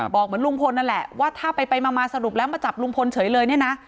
บอกเหมือนลุงพลนั่นแหละว่าถ้าไปมาสรุปแล้วมาจับลุงพลเฉยเลยเนี่ยนะ